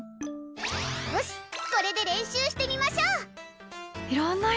よし、これで練習してみましょう！